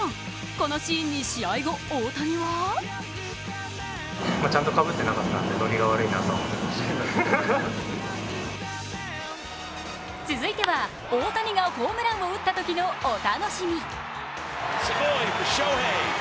このシーンに、試合後、大谷は続いては、大谷がホームランを打ったときのお楽しみ。